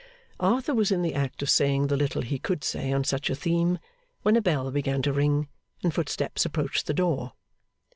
Arthur was in the act of saying the little he could say on such a theme, when a bell began to ring, and footsteps approached the door.